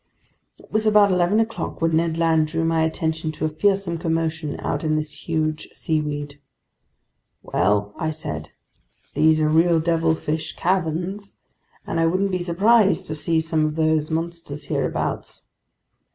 It was about eleven o'clock when Ned Land drew my attention to a fearsome commotion out in this huge seaweed. "Well," I said, "these are real devilfish caverns, and I wouldn't be surprised to see some of those monsters hereabouts."